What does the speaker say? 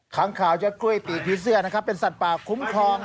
คังคาวเย็ดกุ้ยปิดเสื้อเป็นสตป่าคุ้มคล้อง